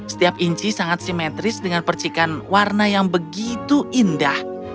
setiap inci sangat simetris dengan percikan warna yang begitu indah